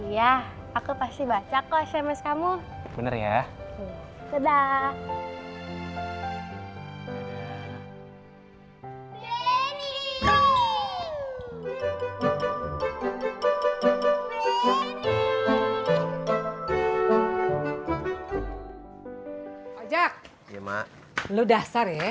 ya aku pasti baca kok sms kamu bener ya